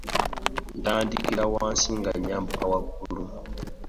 Ntandikira wansi nga nnyambuka waggulu.